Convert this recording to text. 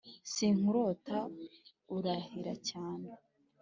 Sinkurota urahira cyane